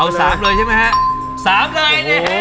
เอา๓เลยใช่ไหมฮะ๓เลย